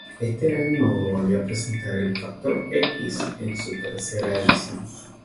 Este año volvió a presentar el "Factor x" en su tercera edición.